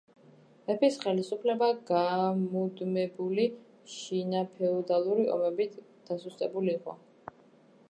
მეფის ხელისუფლება გამუდმებული შინაფეოდალური ომებით დასუსტებული იყო.